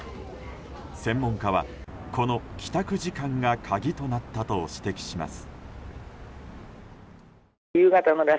専門家はこの帰宅時間が鍵となったと指摘します。